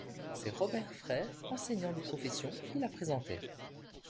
C'est Robert Frère, enseignant de profession, qui la présentait.